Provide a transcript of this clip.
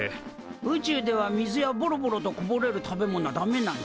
宇宙では水やボロボロとこぼれる食べ物はダメなんじゃ。